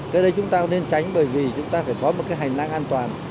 cái đấy chúng ta nên tránh bởi vì chúng ta phải có một hành năng an toàn